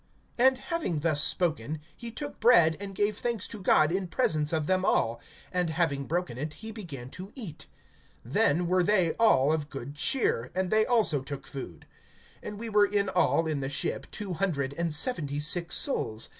(35)And having thus spoken, he took bread, and gave thanks to God in presence of them all; and having broken it, he began to eat. (36)Then were they all of good cheer, and they also took food. (37)And we were in all in the ship two hundred and seventy six souls.